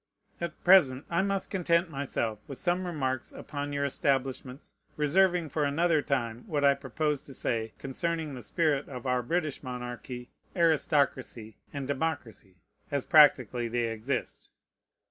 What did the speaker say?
At present I must content myself with some remarks upon your establishments, reserving for another time what I proposed to say concerning the spirit of our British monarchy, aristocracy, and democracy, as practically they exist.